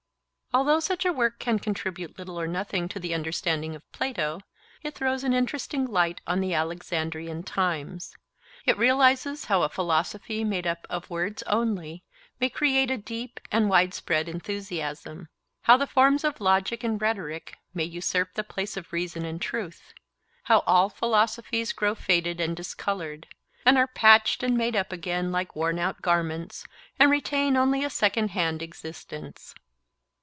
Although such a work can contribute little or nothing to the understanding of Plato, it throws an interesting light on the Alexandrian times; it realizes how a philosophy made up of words only may create a deep and widespread enthusiasm, how the forms of logic and rhetoric may usurp the place of reason and truth, how all philosophies grow faded and discoloured, and are patched and made up again like worn out garments, and retain only a second hand existence.